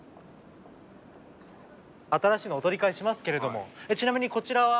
新しいのお取り替えしますけれどもちなみにこちらは。